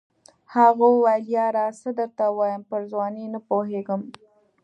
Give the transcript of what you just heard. هغه وویل یاره څه درته ووایم پر ځوانۍ نه پوهېږم.